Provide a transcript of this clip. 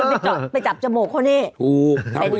เอ้าคุณไปจับจมูกเขานี่